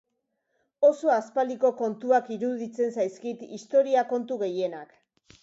Oso aspaldiko kontuak iruditzen zaizkit historia kontu gehienak.